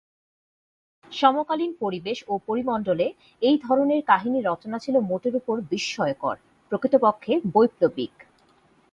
সমকালীন পরিবেশ ও পরিমণ্ডলে এই ধরনের কাহিনী রচনা ছিল মোটের উপর বিস্ময়কর, প্রকৃতপক্ষে বৈপ্লবিক।